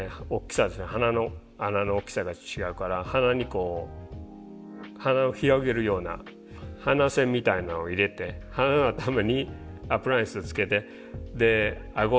鼻の穴の大きさが違うから鼻にこう鼻を広げるような鼻栓みたいなのを入れて鼻の頭にアプライアンスをつけてで顎とほっぺたの側面ですね